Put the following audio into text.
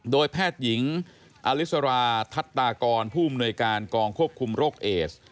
โดยแพทย์หญิงอลิสราทัศตากรผู้อำนวยการกองควบคุมโรคเอส